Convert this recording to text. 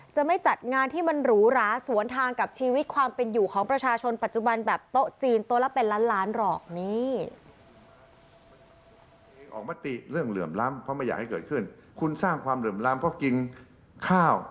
จะไม่จัดงานที่มันหรูหราสวนทางกับชีวิตความเป็นอยู่ของประชาชนปัจจุบันแบบโต๊ะจีนโต๊ะละเป็นล้านล้านหรอกนี่